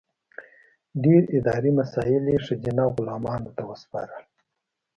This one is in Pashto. ډېر اداري مسایل یې ښځینه غلامانو ته وسپارل.